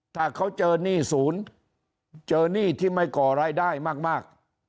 ถ้าเขาเจอหนี้ศูนย์เจอหนี้ที่ไม่ก่อรายได้มาก